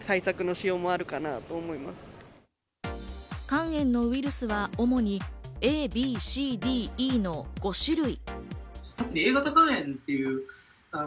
肝炎のウイルスは主にＡ、Ｂ、Ｃ、Ｄ、Ｅの５種類。